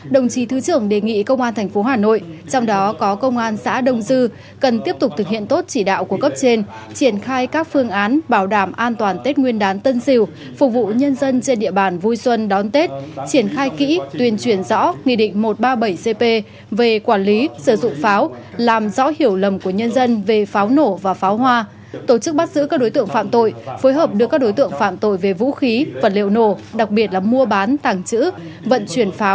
đồng chí thứ trưởng đề nghị công an tp hà nội trong đó có công an xã đông dư cần tiếp tục thực hiện tốt chỉ đạo của cấp trên triển khai các phương án bảo đảm an toàn tết nguyên đán tân sìu phục vụ nhân dân trên địa bàn vui xuân đón tết triển khai kỹ tuyên truyền rõ nghị định một trăm ba mươi bảy cp về quản lý sử dụng pháo làm rõ hiểu lầm của nhân dân về pháo nổ và pháo hoa tổ chức bắt giữ các đối tượng phạm tội phối hợp đưa các đối tượng phạm tội về vũ khí vật liệu nổ đặc biệt là mua bán